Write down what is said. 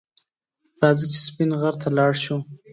راځه چې سپین غر ته لاړ شو